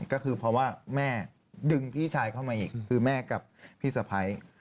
ก็คือเพราะว่าแม่ดึงพี่ชายเข้ามาอีกคือแม่กับพี่สะพ้าย